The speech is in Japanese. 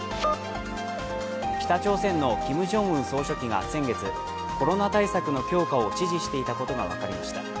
北朝鮮のキム・ジョンウン総書記が先月、コロナ対策の強化を指示していたことが分かりました。